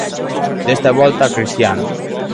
Desta volta a Cristiano.